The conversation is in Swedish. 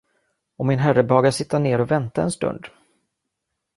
Om min herre behagar sitta ned och vänta en stund.